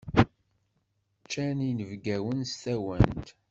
Ččan yinebgawen s tawant.